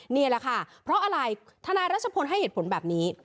นี่แหละค่ะเพราะอะไรทนายรัชพลให้เหตุผลแบบนี้